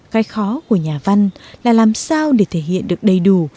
cái khó của nhà văn là làm sao để thể hiện được đầy đủ